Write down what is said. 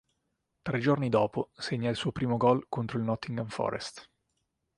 Tre giorni dopo segna il suo primo goal contro il Nottingham Forest.